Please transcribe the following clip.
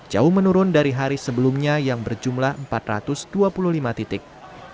jauh menurun dari hari sebelumnya yang berjumlah empat ratus dua puluh lima titik